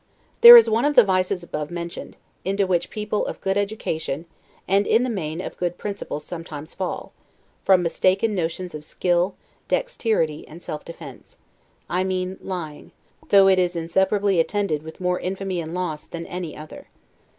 There is one of the vices above mentioned, into which people of good education, and, in the main, of good principles, sometimes fall, from mistaken notions of skill, dexterity, and self defense, I mean lying; though it is inseparably attended with more infamy and loss than any other.